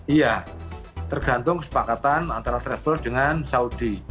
iya tergantung kesepakatan antara travel dengan saudi